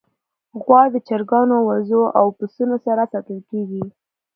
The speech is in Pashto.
غوا د چرګانو، وزو، او پسونو سره ساتل کېږي.